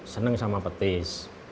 seneng sama petis